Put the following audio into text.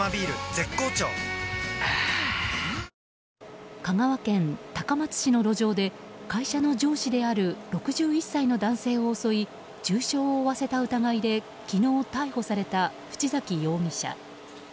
絶好調あぁ香川県高松市の路上で会社の上司である６１歳の男性を襲い重傷を負わせた疑いで昨日逮捕された淵崎容疑者。